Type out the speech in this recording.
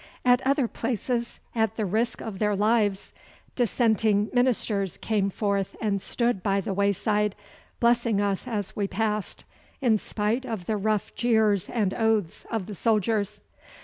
At other places, at, the risk of their lives, Dissenting ministers came forth and stood by the wayside, blessing us as we passed, in spite of the rough jeers and oaths of the soldiers.